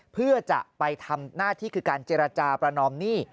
เพื่อจะไปทำหน้าที่คือการเจรจาประนอมหนี้